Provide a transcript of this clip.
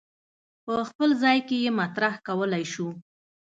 په خپل ځای کې یې مطرح کولای شو.